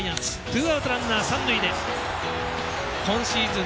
ツーアウト、ランナー、三塁で今シーズン